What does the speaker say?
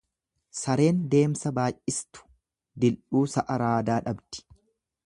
Sareen deemsa baay'istu dil'uu sa'a raadaa dhabdi.